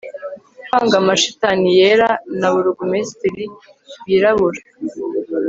kwanga amashitani yera na burugumesitiri wirabura